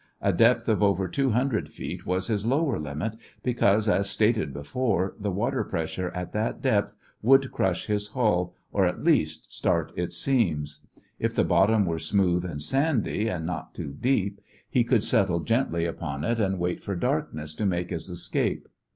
A depth of over two hundred feet was his lower limit, because, as stated before, the water pressure at that depth would crush in his hull or at least start its seams. If the bottom were smooth and sandy, and not too deep, he could settle gently upon it and wait for darkness, to make his escape.